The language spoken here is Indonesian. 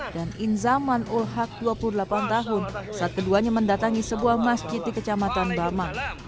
dan inzaman ulhaq dua puluh delapan tahun saat keduanya mendatangi sebuah masjid di kecamatan bama